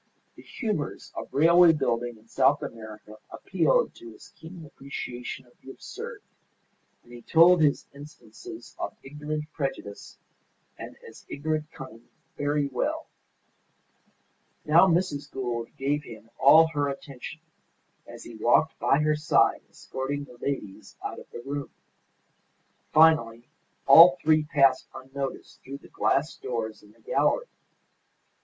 The humours of railway building in South America appealed to his keen appreciation of the absurd, and he told his instances of ignorant prejudice and as ignorant cunning very well. Now, Mrs. Gould gave him all her attention as he walked by her side escorting the ladies out of the room. Finally all three passed unnoticed through the glass doors in the gallery.